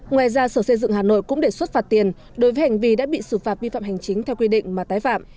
ngoài ra sở xây dựng hà nội cũng đề xuất phạt tiền đối với hành vi đã bị xử phạt vi phạm hành chính theo quy định mà tái phạm